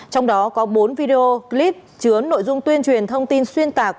trong đó có bốn video clip chứa nội dung tuyên truyền thông tin xuyên tạc